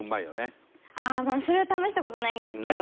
それは試した事ないんですけど。